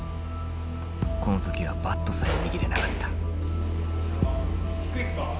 この時はバットさえ握れなかった。